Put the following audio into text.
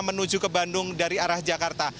menuju ke bandung dari arah jakarta